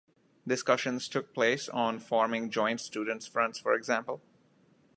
Discussions took place on forming joint students fronts, for example.